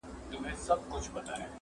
خو د دوی د پاچهۍ نه وه رنګونه-